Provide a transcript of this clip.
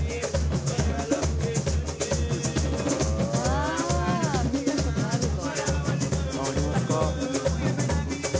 あ見たことあるぞ。